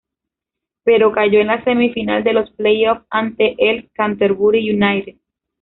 Pero cayó en la semifinal de los playoffs ante el Canterbury United.